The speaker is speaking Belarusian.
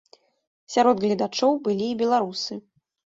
Сярод гледачоў былі і беларусы.